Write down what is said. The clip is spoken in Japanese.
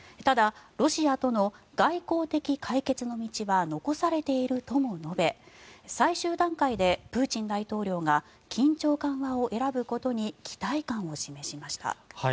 ただ、ロシアとの外交的解決の道は残されているとも述べ最終段階でプーチン大統領が緊張緩和を選ぶことに期待感を示しました。